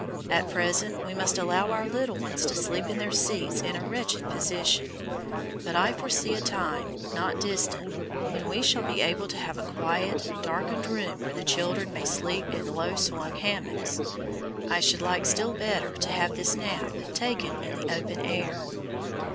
At present we must allow our little ones to sleep in their seats in a wretched position, but I foresee a time, not distant, when we shall be able to have a quiet, darkened room where the children may sleep in low swung hammocks. I should like still better to have this nap taken in the open air.